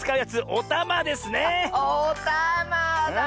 おたまだ！